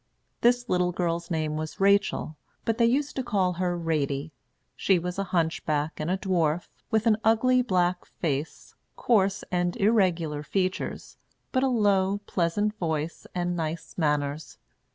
This little girl's name was Rachel, but they used to call her Ratie. She was a hunchback and a dwarf, with an ugly black face, coarse and irregular features, but a low, pleasant voice, and nice manners.